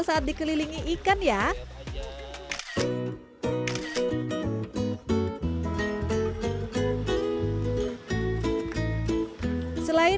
saat dikelilingi ikan ya selain